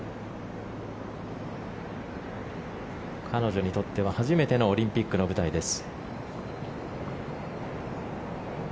彼女にとっては初めてのオリンピックの舞台です。